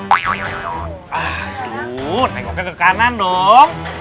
aduh tengoknya ke kanan dong